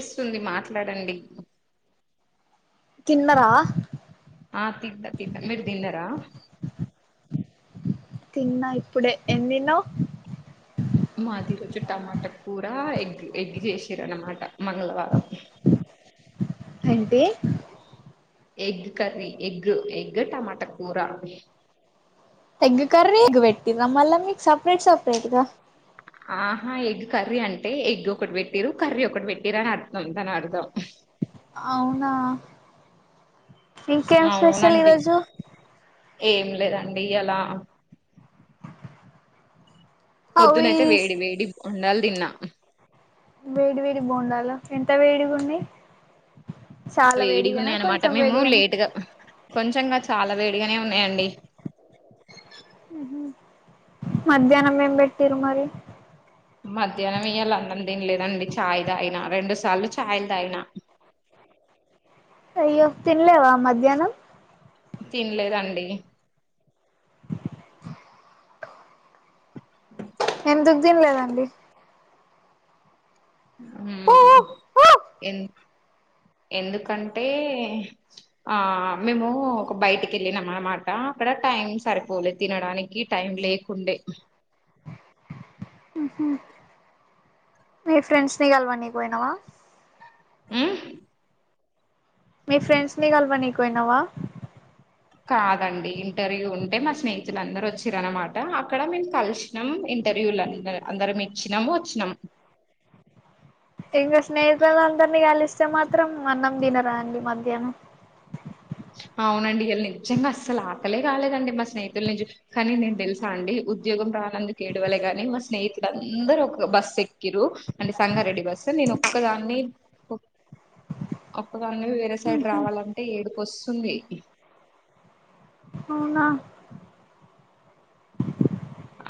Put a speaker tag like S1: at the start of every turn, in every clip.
S1: ఇస్తుంది మాట్లాడండి
S2: తిన్నరా
S1: ఆ తింట తింట మీరు తిన్నర
S2: తిన్నా ఇప్పుడే ఏం తిన్న వ్
S1: మాది ఈ రోజు టమాట కూర ఎగ్ ఎగ్ చేసారు అనమాట మంగళవారం
S2: అంటే
S1: ఎగ్ కర్రీ ఎగ్ ఎగ్ టమాట కూర
S2: ఎగ్ కర్రీ ఎగ్ బెట్టిందా మర్ల మీకు సపరేట్ సపరేట్గా
S1: ఆహ ఎగ్ కర్రీ అంటే ఎగ్ ఒకటి పెట్టిరు కర్రీ ఒకటి పెట్టిరు అని అర్ధం దాని అర్థం
S2: అవునా ఇంకేం స్పెషల్
S1: అవునండి
S2: ఈరోోజు
S1: ఏం లేదండి ఈయలా
S2: అవి
S1: పొద్దునయితే వేడి వేడి బొండాల్ తిన్నా
S2: వేడి వేడి బొండాలల ఎంత వేడిగ ఉన్నాయ్
S1: వేడిగ ఉన్నాయన్నమాట
S2: కొంచెం
S1: మేము
S2: వేడిగానా
S1: లేటుగా కొంచంగా చాలా వేడిగనే ఉన్నాయ్ అండి
S2: మధ్యాహ్నం ఏం పెట్టిరు మరి
S1: మధ్యాహ్నం ఇయాల అన్నం తినలేదండి చాయ్ తాగిన రెండు సార్లు చాయ్ తాగిన
S2: అయ్యో తిన్లేవ మధ్యాహ్నం
S1: తిన్లేదండి
S2: ఎందుక్ తిన్లేదండి
S1: హుమ్ ఎన్ ఎందుకంటే ఆ మేము ఒక బయటికి వెళ్ళినాం అనమాట అక్కడ టైం సరిపోలే తినడానికి టైం లే ఉండే
S2: ఉహు మీ ఫ్రెండ్స్ ని గల్వనీకి పోయినావ
S1: ఉమ్
S2: మీ ఫ్రెండ్స్ ని గల్వనీకు పోయినావ
S1: కాదండి ఇంటర్వ్యూ ఉంటే మా స్నేహితులందరు వచ్చిరనమాట అక్కడ మేము కలిసి ఇంటర్వ్యూలు అందరం ఇచ్చినాము వచ్చినాం
S2: ఇంకా స్నేహితులందరినీ కలిస్తే మాత్రం అన్నం తినరా అండి మధ్యాహ్నం
S1: అవునండి ఇయళ్ళ నిజ్జంగా అసలు ఆకలే కాలేదండి మా స్నేహితులు నుంచి కానీ నేను తెల్సా అండి ఉద్యోగం రానందునికి ఏడవలేగాని మా స్నేహితులు అందరుూ ఒక బస్సు ఎక్కిరు అంటే సంగారెడ్డి బస్ నేను ఒక్కదాన్ని ఒక్కదాన్ని వేరే సైడ్ రావాలంటే ఏడుపు వస్తుంది
S2: అవున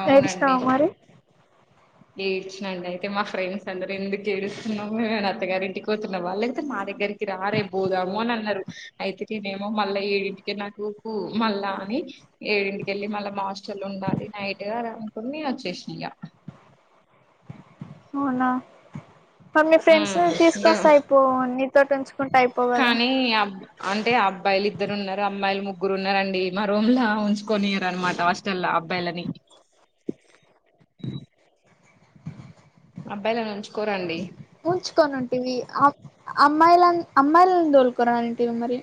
S1: అవునండి
S2: ఏడిసినావా మరి
S1: ఏడ్చినండ్ అయితే మా ఫ్రెండ్స్ అందరు ఎందుకు ఏడుస్తున్నాము మేమే అత్తగారి ఇంటికితున్నా వా లేకపోతే మా దగ్గరికి రా రేప్ బోదాం అని అన్నారు అయితే నేనేమో మళ్ళా ఏడింటికి నాకుకు మళ్ళా అని ఏడింటికెళ్ళి మళ్ళ మా హాస్టల్ ఉండాలి నైట్ గా అనుకుని వచ్చేసిన ఇక
S2: అవునా మరి మీ ఫ్రెండ్స్ ని
S1: హ్మ్
S2: తీసుకొస్తా అయిపోవు నీతోోటి ఉంచుకుంటా అయిపో
S1: కానీ అబ్ అంటే అబ్బాయిలు ఇద్దరు ఉన్నారు అమ్మాయిలు ముగ్గురు ఉన్నారండి మా రూముల ఉంచుకొనియారన్నమాట చల్ల అబ్బాయిలని అబ్బాయిల ఉంచుకోరండి
S2: ఉంచుకొని ఉంటివి అమ్మాయిల అమ్మాయిలను దోలుకోరంటివి మరి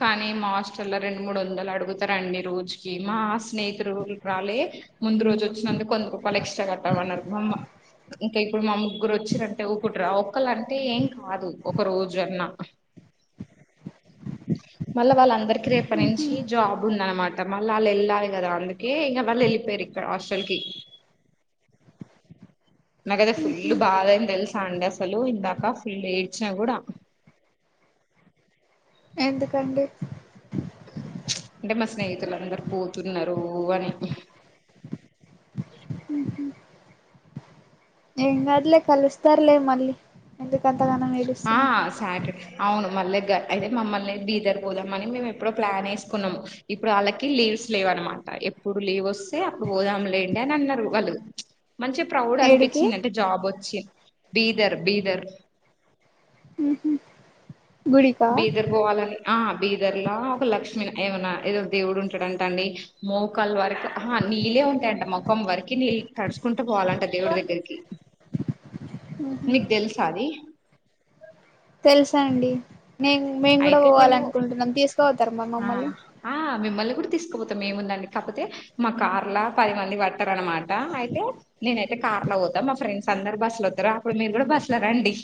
S1: కానీ మా హాస్టల్ల్లో రెండు మూడు వందలు అడుగుతారండి రోజుకి మా స్నేహితు రాలే ముందు రోజు వచ్చినందుకు వంద రూపాయలు ఎక్స్ట్రా కట్టాలన్నారు బామ్మ ఇంకా ఇప్పుడు మా ముగ్గురు వచ్చారంటే ఊరుకుంటారా ఒళంటే ఏం కాదు ఒక రోజు అన్నా మళ్ళ వాళ్ళందరికిీ రేపటి నుంచి జాబ్ ఉందనమాట మళ్ళీ వాళ్ళు వెళ్ళాలి కదా అందుకే ఇంకా వాళ్ళు వెళ్ళిపోయారు హాస్టల్ కి నాకైతే ఫుల్ బాగాని తెలిసా అండి అసలు ఇందాక ఫుల్ ఏడ్చినా కూడా
S2: ఎందుకండి
S1: అంటే మా స్నేహితులు అందరు పోతున్నారు అని
S2: ఉహ ఏం కాదులే కలుస్తారులే మళ్ళీ ఎందుకు అంతగానం
S1: ఆ
S2: ఏడుస్తున్నారు
S1: సాటర్డే అవును మళ్ళీ అయితే మమ్మల్ని బీదర్ పోదామని మేము ఎప్పుడో ప్లాన్ వేసుకున్నాము ఇప్పుడు వాళ్ళకి లీవ్స్ లేవనమాట ఎప్పుడు లీవ్ వస్తే అప్పుడు పోదాం లేండి అని అన్నారు వాళ్ళు మంచిగా ప్రౌడ్
S2: ఏడికి
S1: అనిపించింది అంటే జాబ్ వచ్చి బీదర్ బీదర్
S2: ఉహ
S1: బీదర్ పోవాలని ఆ బీదర్ లో ఒక లక్ష్మీ ఏమనా ఏదో దేవుడు ఉంటాడుంట అండి మోకాలు వరకు నీళ్ళే ఉంటాయంట ముఖం వరకు నీళ్ళు తడుచుకుంటూ పోవాలంట దేవుడి దగ్గరికి మీకు తెలుసా అది
S2: తెలుసండి నేను మేము కూడా
S1: అయితే
S2: పోవాల
S1: మేము
S2: అనుకుంటున్నాం తీసుకుపోతరా మా
S1: ఆ
S2: మమ్మల్ని
S1: ఆ మిమ్మల్ని కూడా తీసుకుపోతాం ఏముందండి కాకపోతే మా కార్లా పది మంది పట్టారు అనమాట అయితే నేనైతే కార్ లో పోతా మా ఫ్రెండ్స్ అందరు బస్ లో వతారు అప్పుడు మీరు కూడా బస్ లో రండి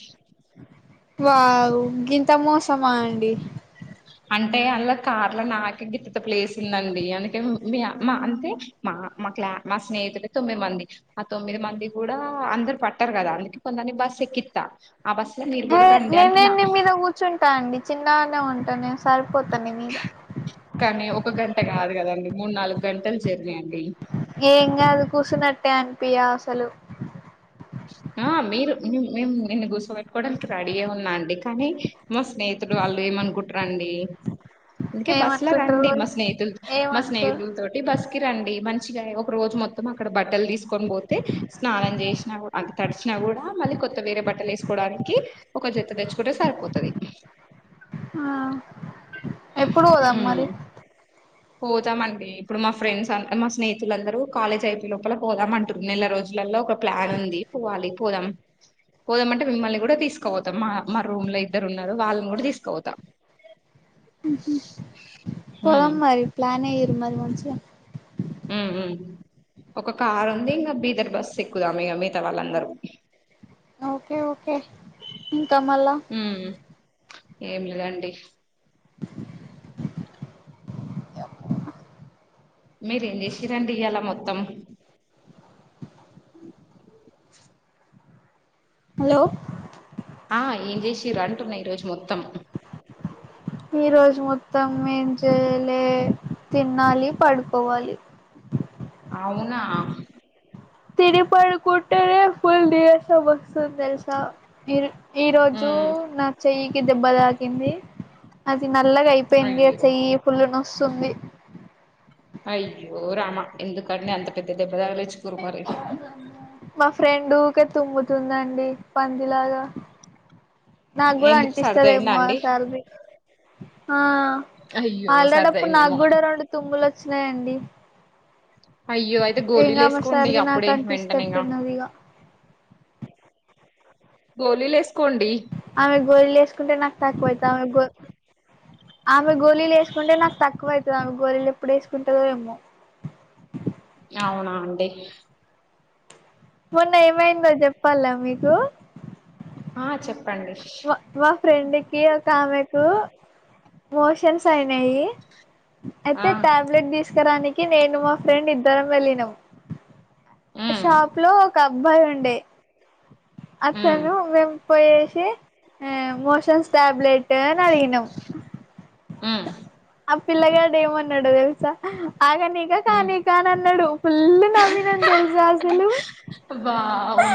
S2: వావ్ గింత మోసమా అండి
S1: అంటే ఆన్ల కార్లో నాకే గిట్టత ప్లేస్ ఉందండి అందుకే మీ మా అంటే మా మా క్లా మా స్నేహితులు తొమ్మిది మంది ఆ తొమ్మిది మంది కూడా అందరు పట్టారు కదా అందుకే కొందరిని బస్సు ఎక్కిస్తా ఆ బస్సుల మీరు
S2: ఏ
S1: కూడా రండి
S2: నేను
S1: అంటున్నా
S2: నేను నీ మీద కూర్చుంటా అండి చిన్నగానే ఉంటా నేను సరిపోతా నీ మీద
S1: కానీ ఒక గంట కాదు కదండి మూడు నాలుగు గంటలు జర్నీ అండి
S2: ఏం కాదు కూసునట్టే అనిపియా అసలు
S1: ఆ మీరు మేము నిన్ను కూసోబెట్టుకోవడానికి రెడీ ఏ ఉన్నా అండి కానీ మా స్నేహితులు వాళ్ళు ఏమనుకుంటారండి అందుకే బస్ల
S2: ఏమనుకుంటారు
S1: రండి మా
S2: వాళ్ళు,
S1: స్నేహితులు మా
S2: ఏమనుకోరు
S1: స్నేహతులు తో బస్కి రండి మంచిగా ఒక రోజు మొత్తం అక్కడ బట్టలు తీసుకొని పోతే స్నానం చేసినా ఆ తడిచినా కూడా కొత్త వేరే బట్టలు వేసుకోవడానికి ఒక జత తెచ్చుకుంటే సరిపోతది
S2: ఆ ఎప్పుడు పోదాం మరి
S1: పోదామండి ఇప్పుడు మా ఫ్రెండ్స్ మా స్నేహితులందరూ కాలేజ్ అయిపోయే లోపల పోదాము అంటారు నెల రోజులలో ఒక ప్లాన్ ఉంది పోవాలి పోదాం పోదామంటే మిమ్మల్ని కూడా తీసుకోవతాం మా రూమ్ లో ఇద్దరు ఉన్నారు వాళ్ళని కూడా తీసుకోపోతాం
S2: పోదాం
S1: ఉమ్
S2: మరి ప్లానేే మరి మంచిగ
S1: ఒక కార్ ఉంది ఇంకా ఇద్దర్ బస్ సిక్కుదాం ఇక మిగతా వాళ్ళందరూ
S2: ఓకే ఓకే ఇంక మల్ల
S1: ఏం లేదండి మీరేం చేసి రండి ఇయలా మొత్తం
S2: హలో
S1: ఆ ఏం చేసిం డ్రు అంటున్నాయి ఈ రోజు మొత్తం
S2: ఈ రోజు మొత్తం ఏం చేయలే తినాలి పడుకోవాలి
S1: అవునా
S2: తినిపడుకుంటనే ఫుల్ దస బగసంద తెల్సా ఇరు ఈ రోజు
S1: హ్మ్
S2: నా చెయ్యికిి దెబ్బ తాకింది అది నల్లగ అయింద్ పోయింది అ
S1: అయ్యో
S2: చెయ్యి ఫుల్ల్ నొస్తుంది
S1: అయ్యో రామా ఎందుకండి అంత పెద్ద దెబ్బ తాగిలిచ్చుకురు మరి
S2: మా ఫ్రెండుకే తుమ్ముతుందండి పంది లాగా నాకు కూడా
S1: ఎందుకు సర్దయిందా
S2: అంటిస్తదేమో ఈ
S1: అండి
S2: సారి ఆ
S1: అయ్యో
S2: ఆల్రెడీ అప్పుడే నాకు
S1: సర్దయిందేమో
S2: కూడా రెండు తుమ్ములు వచ్చినాయండి
S1: అయ్యో అయితే గోళలు
S2: ఇంగా ఆమె
S1: వేసుకోండి
S2: సర్ది నాకు
S1: అప్పుడే వెంటనే ఇంగా
S2: అంటిస్తట్టున్నది ఇగ
S1: గోలీలు వేసుకోండి
S2: ఆమె గోళ్లు వేసుకుంటే నాకు తక్కువ అయిత ఆమె గో ఆమె గోళలు వేసుకుంటే నాకు తక్కువ అవుతుంది ఆమె గోళలీలు ఎప్పుడు వేసుకుంటుందో ఏమో
S1: అవునా అండి
S2: మొన్న ఏమైందో చెప్పాలా మీకు
S1: ఆ చెప్పండి
S2: మా మా ఫ్రెండ్ కి ఒక ఆమెకు మోషన్స్ అయినాయి
S1: ఆ
S2: అయితే టాబ్లెట్ తీసుకురానికి నేను మా ఫ్రెండ్ ఇద్దరం వెళ్ళినాము
S1: హ్మ్
S2: షాప్ లో ఒక అబ్బాయి ఉండే
S1: హ్మ్
S2: అతను మేం పోయేసి మోషన్స్ టాబ్లెట్ అని అడిగినం
S1: హు
S2: ఆ పిల్ల గడు ఏమన్నాడో తెలుసా ఆగనీక
S1: హ్మ్
S2: కానీక అని అన్నడు ఫుల్ నవ్వినను తెలుసా అసలు
S1: అ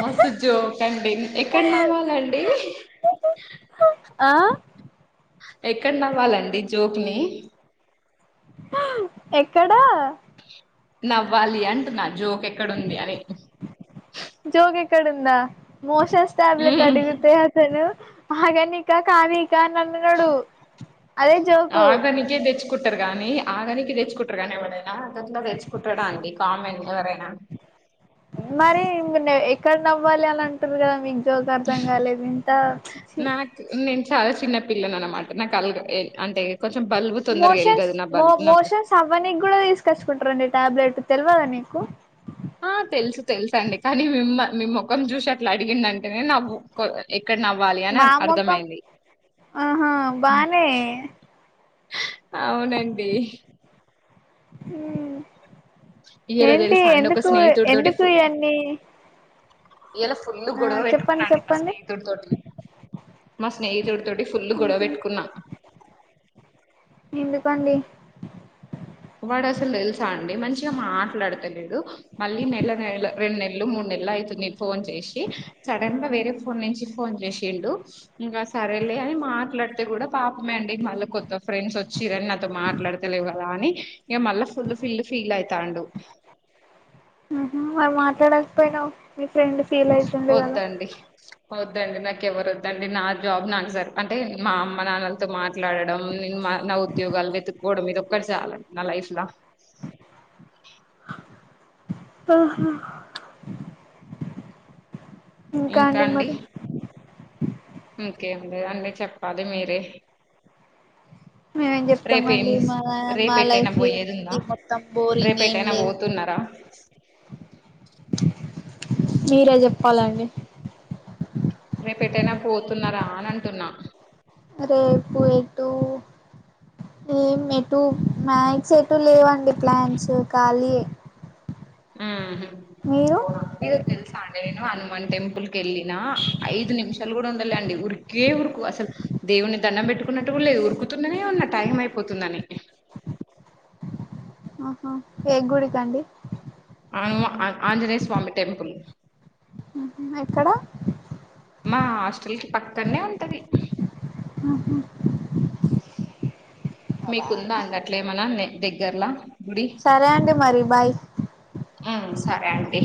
S1: మస్తు జోకండి ఎక్కడ నవ్వాలండి
S2: ఆ
S1: ఎక్కడ నవ్వాలండి జోక్ ని
S2: ఎక్కడా
S1: నవ్వాలి అంటు నా జోక్ ఎక్కడుంది అని
S2: జోక్ ఎక్కడుంద మోషస్ ట్యాబ్లేెట్
S1: హ్మ్
S2: అడిగితే ను ఆగనీకా కానిక అన్నడు అదే జోకు
S1: తెచ్చుకుంటరు గాని ఆగనికి తెచ్చుకుంటరు కాని ఎవడైనా దాంట్లో తెచ్చుకుంటడా అండి కామెన్ ఎవరైనా
S2: మరి ఎక్కడ నవ్వాలి అని అంటారు కదా మీం జోక్ అర్థం కాలేదు ఇంక
S1: నాకు నేను చాలా చిన్న పిల్లను అన్నమాట నాకు అలు అంటే కొంచెం బల్బు తొందరగెల్గదు నా బల్బ్ నా
S2: నవ్వానికి కూడా తీసుకొచ్చుకుంటరండి టాబ్లెట్ తెల్వదా మీకు
S1: ఆ తెలుసు తెలుసు అండి కానీ మిమ్మ మీ ముఖం చూశ్ అట్ల అడిగింద్ అంటనె నవ్వు కొ ఎక్కడ్ నవ్వాలి అని అ
S2: మా మొఖం
S1: అర్థమైంది
S2: ఆహా
S1: హ్మ్.
S2: బానే
S1: అవునండి
S2: ఉమ్
S1: ఇయాల
S2: ఏంటి
S1: తెలుసా అండి ఒక
S2: ఎందుకు ఎందుకు ఇయన్నీ
S1: ఇయల ఫుల్ గొడవ
S2: చెప్పండి
S1: పెట్టుకున్నాండి మా
S2: చెప్పండి
S1: స్నేహితుడి తోటి మా స్నేహతుడి తోటి ఫుల్ గొడవ
S2: ఉహు.
S1: బెట్టుకున్న
S2: ఎందుకండి
S1: వాడు అసలు తెలుసా అండి మంచిగా మాట్లాడ్తలేడు మళ్ళీ నెల నెల రెండు నెలలు మూడు నెలలు అయితుంది ఫోన్ చేశి సడన్ గా వేరే ఫోన్ నుంచి ఫోన్ చేశిండు ఇంకా సరేలే అని మాట్లాడ్తే కూడా పాప్మే అండి మళ్ళీ కొత్త ఫ్రెండ్స్ ఒచ్చిరని నతో మాట్లాడ్త లేవు కదా అని ఇక మళ్ళీ ఫుల్ ఫిల్ ఫీల్ అయితాండు
S2: మరి మాట్లాడకపోయినవ్ మీ ఫ్రెండ్ ఫీల్ అయితుండు కద
S1: అండి వద్దండి నాకెవరొద్దండి నా జాబ్ నా సర్ అంటే మా అమ్మ నాన్నలతో మాట్లాడడం నేను మా నా ఉద్యోగాలు వెతుక్కోవడం ఇదోక్కటి సాలండి న లైఫ్ ల
S2: ఆహా
S1: ఇంకా అండి. ఇంకేం లేదండి చెప్పాలి మీరే.
S2: మేమేం
S1: రేపేం
S2: చెప్తమండి మా మా
S1: రేపెటైనా
S2: లైఫ్ లో
S1: పోయేది ఉందా
S2: ఏముంది మొత్తం బోరింగ్ ఏమి
S1: రేపెటైనా
S2: లేదు.
S1: పోతున్నారా
S2: మీరే చెప్పాలండి.
S1: రెపెటైనా పోతున్నారా అని అంటున్నా.
S2: రేపు ఎటు ఏ ఎటు మ్యాక్స్ ఎటు లేవండి ప్లాన్స్ ఖళీ.
S1: మ్హ్ తెలుసా అండి నేను హనుమాన్ టెంపుల్ క్ వెళ్ళిన ఐదు నిమిషాలు కూడా ఉండలే అండి ఉరికే ఉరుకు అసలు. దేవున్ని దండం పెట్టుకున్నట్టు కుడ లేదు ఉరుకుతుందనే అన్న టైం అయిపోతుందని.
S2: ఆహ ఏ గుడికాండి
S1: అవ్ ఆంజనేయ స్వామి టెంపుిల్
S2: ఎక్కడ
S1: మా హాస్టల్ కి పక్కనే ఉంటది
S2: ఉహు
S1: మీకుందా అండి అట్లే ఏమనా దగ్గరలా
S2: సరే అండి మరి బాయ్
S1: ఉ సరే అండి